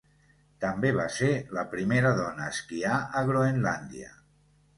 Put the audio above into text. També va ser la primera dona a esquiar a Groenlàndia.